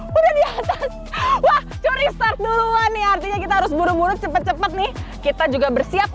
wah curi start duluan nih artinya kita harus buruk buruk cepet cepet nih kita juga bersiap